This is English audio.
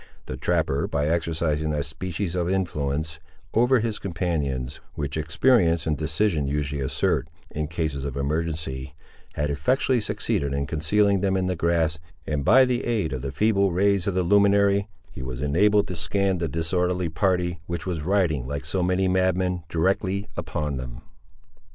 The trapper, by exercising that species of influence, over his companions, which experience and decision usually assert, in cases of emergency, had effectually succeeded in concealing them in the grass, and by the aid of the feeble rays of the luminary, he was enabled to scan the disorderly party which was riding, like so many madmen, directly upon them.